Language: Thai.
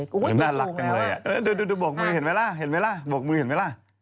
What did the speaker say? เหมือนน่ารักกันเลยดูบอกมือเห็นมั้ยล่ะ